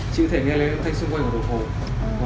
chỉ có thể nghe lên thông tin xung quanh của đồng hồ